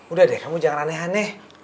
udah deh kamu jangan aneh aneh